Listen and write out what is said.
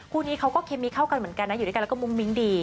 คู่นี้เขาก็เคมีเข้ากันเหมือนกันนะอยู่ด้วยกันแล้วก็มุ้งมิ้งดี